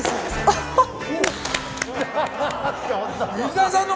あっ！